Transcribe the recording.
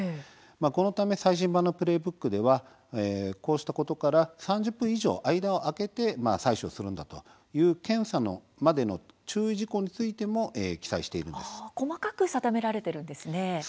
このため最新版のプレーブックでは３０分以上、間を空けて採取するなど検査の注意事項についても細かく定められているんですね。